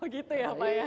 oh gitu ya pak ya